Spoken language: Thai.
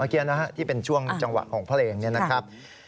เมื่อกี้นะฮะที่เป็นช่วงจังหวะของเพลงนี้นะครับ